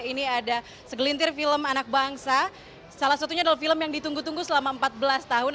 ini ada segelintir film anak bangsa salah satunya adalah film yang ditunggu tunggu selama empat belas tahun